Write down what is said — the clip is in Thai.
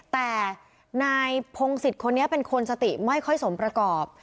แต่นายพงศิษย์คนนี้เป็นคนสติไม่ค่อยสมประกอบ